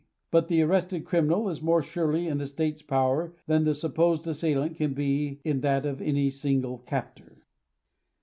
But the arrested criminal is more surely in the state's power than the supposed assailant can be in that of any single captor.